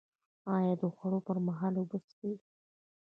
ایا د خوړو پر مهال اوبه څښئ؟